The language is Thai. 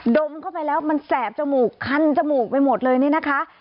ดมเข้าไปแล้วมันแสบจมูกคันจมูกไปหมดเลยนี่นะคะ